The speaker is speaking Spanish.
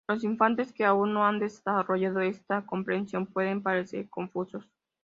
Los infantes que aún no han desarrollado esta compresión pueden parecer confusos.